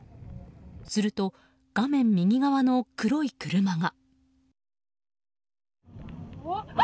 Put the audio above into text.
すると画面右側の黒い車が。